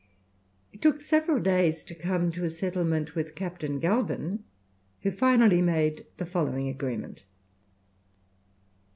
It took several days to come to a settlement with Captain Galvin, who finally made the following agreement.